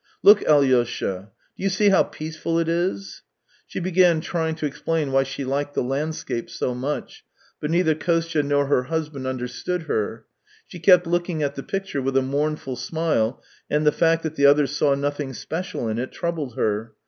" Look, Alyosha ! Do you see how peaceful it is ?" She began trying to explain why she liked the landscape so much, but neither Kostya nor her husband understood her. She kept looking at the picture with a mournful smile, and the fact that the others saw nothing special in it troubled her.